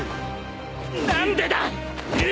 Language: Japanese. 何でだ！